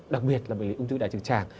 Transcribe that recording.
đặc biệt là bệnh lý ung thư đại trưởng tràng